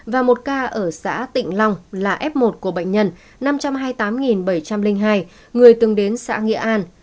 và một ca ở xã tịnh long là f một của bệnh nhân năm trăm hai mươi tám bảy trăm linh hai người từng đến xã nghĩa an